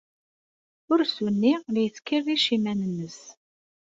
Ursu-nni la yettkerric iman-nnes.